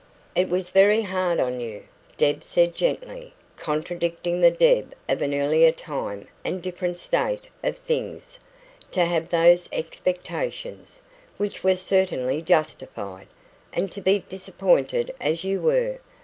"It was very hard on you," Deb said gently contradicting the Deb of an earlier time and different state of things "to have those expectations, which were certainly justified, and to be disappointed as you were.